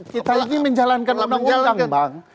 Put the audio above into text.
kita ini menjalankan omongan ketua kpu